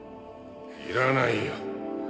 いらないよ。